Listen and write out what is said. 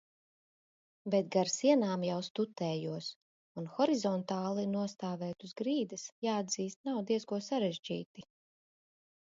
Bet gar sienām jau stutējos un horizontāli nostāvēt uz grīdas, jāatzīst, nav diezko sarežģīti.